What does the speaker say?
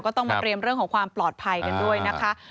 ก็ต้องมาพรียมมายุ่งของความปลอดภัยกันด้วยนะคะ